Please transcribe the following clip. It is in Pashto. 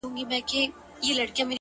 بس ده د خداى لپاره زړه مي مه خوره;